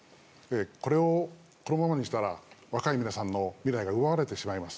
これをこのままにしたら若い皆さんの未来が奪われてしまいます。